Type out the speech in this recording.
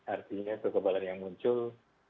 artinya kekebalan yang muncul